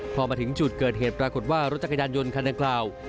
พอมาถึงจุดเกิดเหตุปรากฏว่ารถจักรยานยนต์คันดังกล่าว